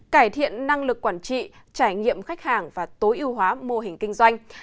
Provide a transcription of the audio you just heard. cải thiện năng lực quản trị trải nghiệm khách hàng và tối ưu hóa mô hình kinh doanh